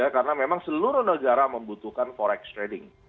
karena memang seluruh negara membutuhkan forex trading